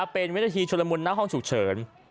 เป็นวินาทีชุลมุนหน้าห้องฉุกเฉิน